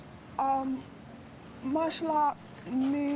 apakah kamu lebih tertarik sekarang